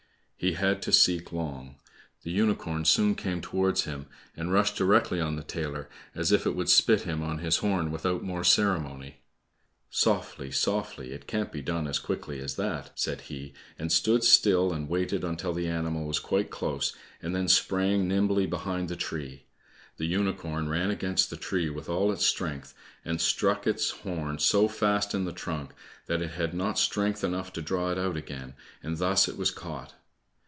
He had to seek long. The unicorn soon came towards him, and rushed directly on the tailor, as if it would spit him on his horn without more ceremony. "Softly, softly; it can't be done as quickly as that," said he, and stood still and waited until the animal was quite close, and then sprang nimbly behind the tree. The unicorn ran against the tree with all its strength, and struck its horn so fast in the trunk that it had not strength enough to draw it out again, and thus it was caught.